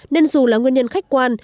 nên dù là nguyên nhân khách quan